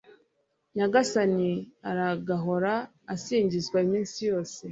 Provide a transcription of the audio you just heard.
Nyagasani aragahora asingizwa iminsi yose